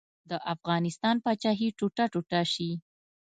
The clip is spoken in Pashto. د افغانستان پاچاهي ټوټه ټوټه شي.